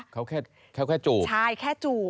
เขาแค่จูบใช่แค่จูบ